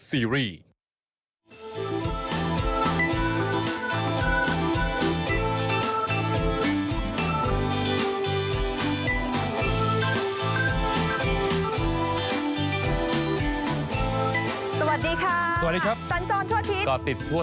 สวัสดีค่ะสันโจรทั่วชิดกาติดพ่อไทย